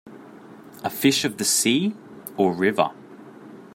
A fish of the sea or river?